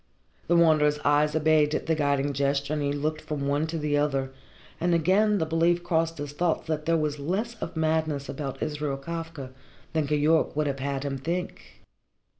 The Wanderer's eyes obeyed the guiding gesture, and he looked from one to the other, and again the belief crossed his thoughts that there was less of madness about Israel Kafka than Keyork would have had him think.